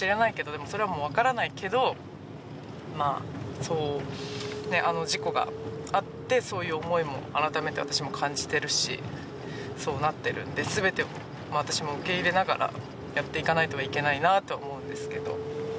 でもそれはもうわからないけどまああの事故があってそういう思いも改めて私も感じているしそうなっているので全てをまあ私も受け入れながらやっていかないといけないなと思うんですけど。